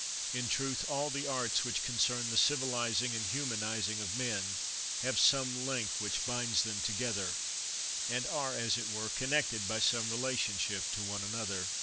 In truth, all the arts which concern the civilizing and human izing of men, have some link which binds them together, and are, as it were, connected by some relationship to one another.